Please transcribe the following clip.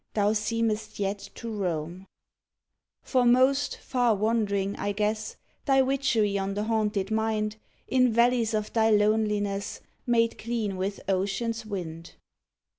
Thou seemest yet to roam? 133 PERSON JL POEMS For most, far wandering, I guess Thy witchery on the haunted mind, In valleys of thy loneliness, Made clean with ocean's wind.